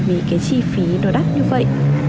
vì cái chi phí nó đắt như vậy